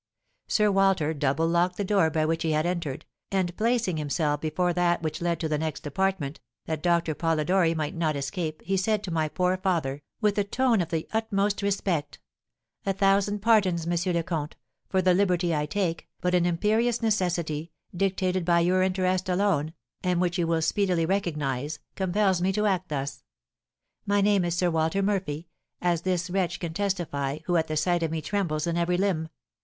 Sir Walter double locked the door by which he had entered; and placing himself before that which led to the next apartment, that Doctor Polidori might not escape, he said to my poor father, with a tone of the utmost respect, 'A thousand pardons, Monsieur le Comte, for the liberty I take, but an imperious necessity, dictated by your interest alone (and which you will speedily recognise), compels me to act thus. My name is Sir Walter Murphy, as this wretch can testify, who at the sight of me trembles in every limb.